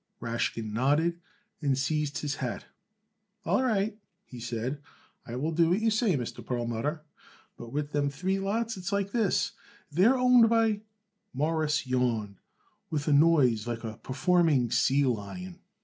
Rashkin nodded and seized his hat. "All right," he said, "I will do what you say, Mr. Perlmutter. But with them three lots it's like this: they're owned by " Morris yawned with a noise like a performing sea lion.